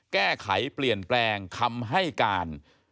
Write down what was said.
แก้ไขเปลี่ยนแปลงคำให้การ